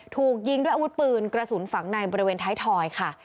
ถูกยิงด้วยอาวุธปืนกระสุนฝังในบริเวณท้ายทอยค่ะ